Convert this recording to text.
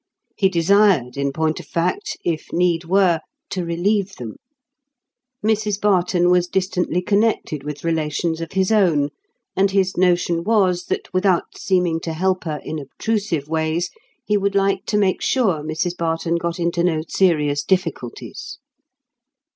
He desired, in point of fact, if need were, to relieve them. Mrs Barton was distantly connected with relations of his own; and his notion was that without seeming to help her in obtrusive ways, he would like to make sure Mrs Barton got into no serious difficulties.